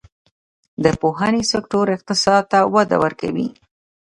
د پوهنې سکتور اقتصاد ته وده ورکوي